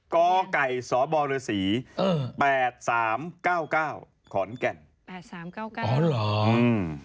ก้อกไก่สอบรสี๘๓๙๙ขอนแก่น